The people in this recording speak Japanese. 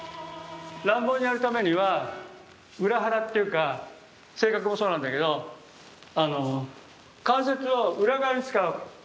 乱暴にやるためには裏腹っていうか性格もそうなんだけど関節を裏側に使うわけ。